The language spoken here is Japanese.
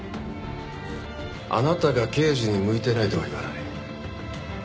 あなたが刑事に向いてないとは言わない。